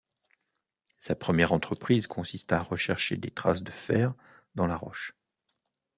Sa première entreprise consista à rechercher des traces de fer dans la roche.